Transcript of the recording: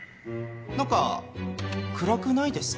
何か暗くないですか？